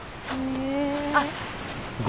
あっ。